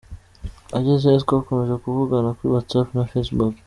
Agezeyo twakomeje kuvugana kuri WhatsApp na facebook.